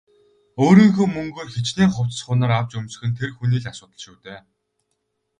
Өөрийнхөө мөнгөөр хэчнээн хувцас хунар авч өмсөх нь тэр хүний л асуудал шүү дээ.